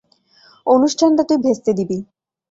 অনুষ্ঠানটা তুই ভেস্তে দিবি।